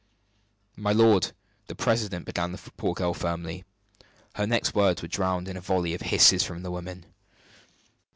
"My lord the president," began the poor girl firmly. Her next words were drowned in a volley of hisses from the women.